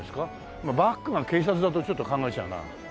まあバックが警察だとちょっと考えちゃうな。